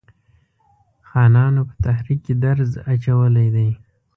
خانانو په تحریک کې درز اچولی دی.